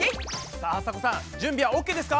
さああさこさん準備はＯＫですか？